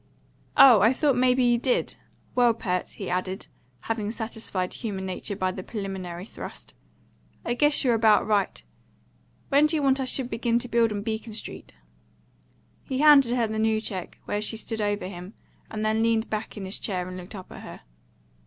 "Oh, I thought may be you did. Well, Pert," he added, having satisfied human nature by the preliminary thrust, "I guess you're about right. When do you want I should begin to build on Beacon Street?" He handed her the new cheque, where she stood over him, and then leaned back in his chair and looked up at her.